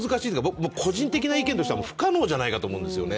僕、個人的な意見としてはもう不可能じゃないかと思うんですよね。